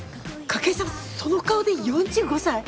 筧さんその顔で４５歳！？